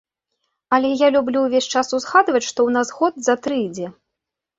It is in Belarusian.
Але я люблю ўвесь час узгадваць, што ў нас год за тры ідзе.